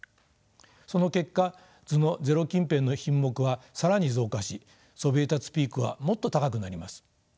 その結果図のゼロ近辺の品目は更に増加しそびえ立つピークはもっと高くなります。